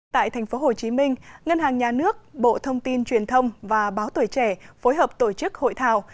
tại tp hcm ngân hàng nhà nước bộ thông tin truyền thông và báo tuổi trẻ phối hợp tổ chức hội thảo